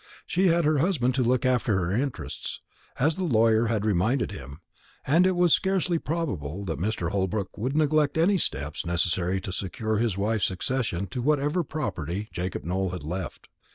She had her husband to look after her interests, as the lawyer had reminded him, and it was scarcely probable that Mr. Holbrook would neglect any steps necessary to secure his wife's succession to whatever property Jacob Nowell had left.